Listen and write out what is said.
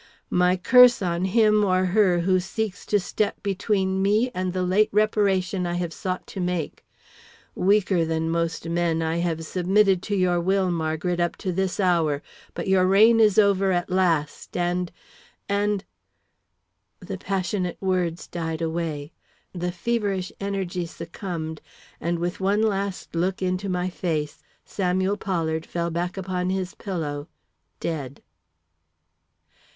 "My curse on him or her who seeks to step between me and the late reparation I have sought to make. Weaker than most men, I have submitted to your will, Margaret, up to this hour, but your reign is over at last, and and " The passionate words died away, the feverish energy succumbed, and with one last look into my face, Samuel Pollard fell back upon his pillow, dead.